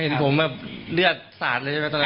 เห็นผมแบบเลือดสาดเลยใช่ไหมตอนนั้น